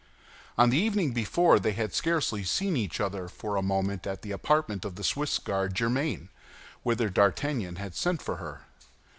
On the evening before, they had scarcely seen each other for a moment at the apartment of the Swiss guard, Germain, whither D'Artagnan had sent for her.